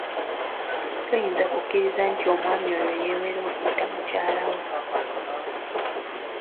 Toyinza kukiriza nti omwami oyo yeewera okutta mukyala we.